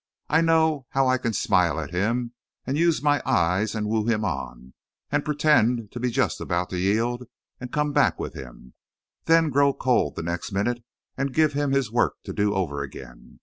I know how I can smile at him, and use my eyes, and woo him on, and pretend to be just about to yield and come back with him then grow cold the next minute and give him his work to do over again.